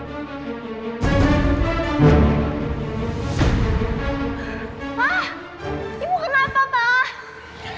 pak ibu kenapa pak